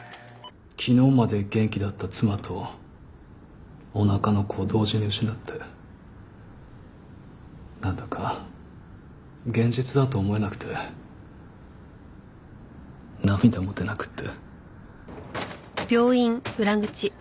昨日まで元気だった妻とおなかの子を同時に失ってなんだか現実だと思えなくて涙も出なくって。